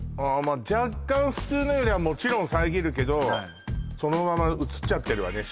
あ若干普通のよりはもちろん遮るけどそのままうつってるわね